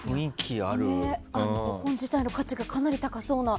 本自体の価値がかなり高そうな。